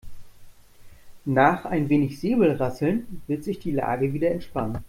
Nach ein wenig Säbelrasseln wird sich die Lage wieder entspannen.